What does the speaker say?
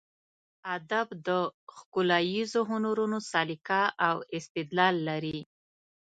ادب د ښکلاییزو هنرونو سلیقه او استدلال لري.